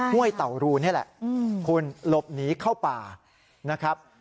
กล้วยเต่ารูนี่แหละคุณหลบหนีเข้าป่า